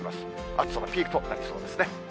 暑さのピークとなりそうですね。